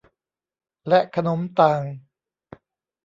และขนมต่าง